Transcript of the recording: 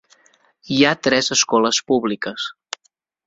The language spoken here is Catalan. Hi ha tres escoles públiques.